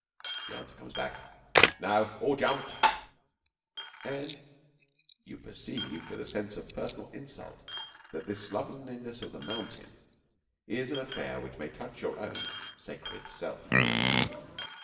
The answer comes back, 'No; all jumped'; and you perceive with a sense of personal insult that this slovenliness of the mountain is an affair which may touch your own sacred self.